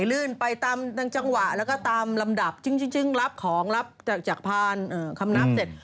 เดินไปตามจังหวะลำดับรับของไปรับจากพันครามนับเศษ